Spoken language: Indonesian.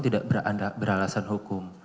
tidak beralasan hukum